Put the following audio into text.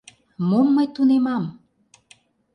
— Мом мый тунемам?..